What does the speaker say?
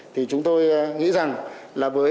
thì chúng tôi nghĩ rằng là với